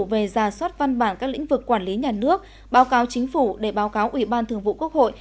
về giả soát văn bản các lĩnh vực quản lý nhà nước báo cáo chính phủ để báo cáo ủy ban thường vụ quốc hội